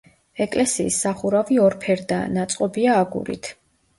ეკლესიის სახურავი ორფერდაა, ნაწყობია აგურით.